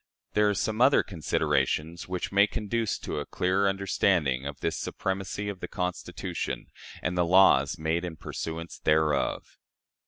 There are some other considerations which may conduce to a clearer understanding of this supremacy of the Constitution and the laws made in pursuance thereof: 1.